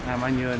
a ma nhiên